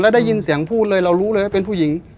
ได้ยินเสียงพูดเลยเรารู้เลยว่าเป็นผู้หญิง